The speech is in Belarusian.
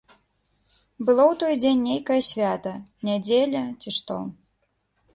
Было ў той дзень нейкае свята, нядзеля, ці што.